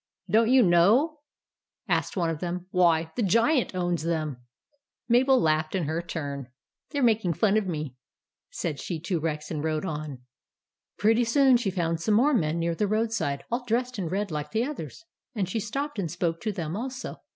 " Don't you know ?" asked one of them. " Why, the Giant owns them." Mabel laughed in her turn. THE GIANT'S CASTLE 161 "They're making fun of me," said she to Rex, and rode on. Pretty soon she found some more men near the roadside, all dressed in red like the others ; and she stopped and spoke to them also.